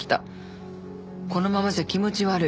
このままじゃ気持ち悪い。